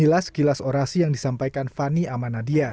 inilah sekilas orasi yang disampaikan fani amanadia